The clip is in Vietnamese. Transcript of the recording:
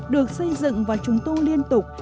được xây dựng và trung tu liên tục